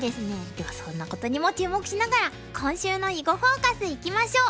ではそんなことにも注目しながら今週の「囲碁フォーカス」いきましょう！